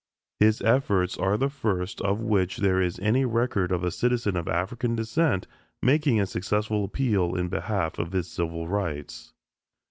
His efforts are the first of which there is any record of a citizen of African descent making a successful appeal in behalf of his civil rights.